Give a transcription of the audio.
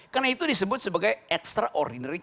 karena itu disebut sebagai extraordinary crime